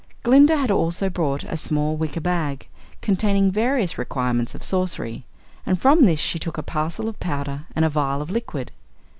Glinda had also brought a small wicker bag, containing various requirements of sorcery, and from this she took a parcel of powder and a vial of liquid.